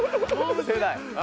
世代！